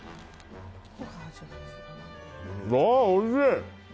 わあ、おいしい！